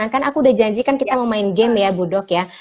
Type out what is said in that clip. kan aku udah janjikan kita mau main game ya budok ya